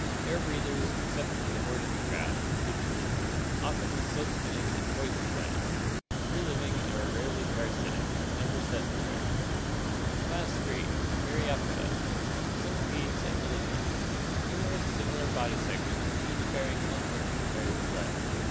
Air breathers, except the horseshoe crab (Limulus), often with silk spinning and poison glands. Free living or rarely parasitic, never sedentary. Class III. Myriapoda (Gr. fivpios, countless, and irovs, foot). Centipedes and millipedes. Numerous similar body segments, each bear ing one or two pairs of legs.